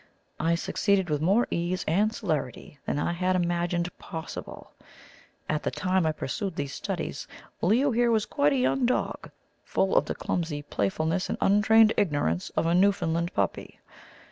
I succeeded with more ease and celerity than I had imagined possible. At the time I pursued these studies, Leo here was quite a young dog, full of the clumsy playfulness and untrained ignorance of a Newfoundland puppy.